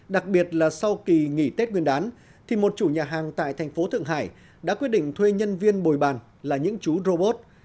đặc biệt là sau kỳ nghỉ tết nguyên đán thì một chủ nhà hàng tại thành phố thượng hải đã quyết định thuê nhân viên bồi bàn là những chú robot